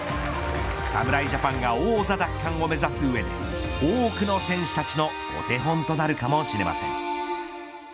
侍ジャパンが王座奪還を目指す上で多くの選手たちのお手本となるかもしれません。